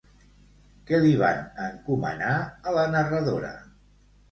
Què li van encomanar a la narradora?